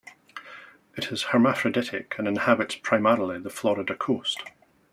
It is hermaphroditic and inhabits primarily the Florida coast.